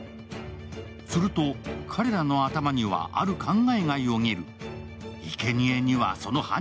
すると彼らの頭にはある考えがよぎる。